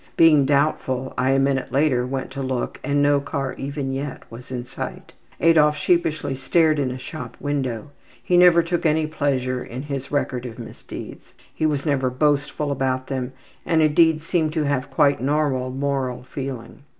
Being doubtful, I a minute later went to look and no car even yet was in sight. Adolf sheepishly stared in a shop window. He never took any pleasure in his record of misdeeds. He was never boastful about them and indeed seemed to have quite normal moral feeling.